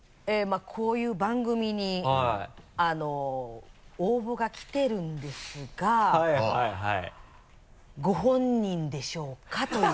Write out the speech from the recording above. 「こういう番組に応募が来てるんですがご本人でしょうか？」という。